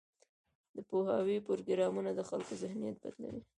د پوهاوي پروګرامونه د خلکو ذهنیت بدلوي.